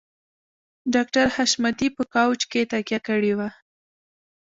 ډاکټر حشمتي په کاوچ کې تکيه کړې وه